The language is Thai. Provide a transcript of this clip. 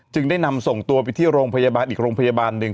ได้นำส่งตัวไปที่โรงพยาบาลอีกโรงพยาบาลหนึ่ง